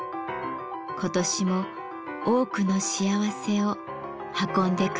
今年も多くの幸せを運んでくれますように。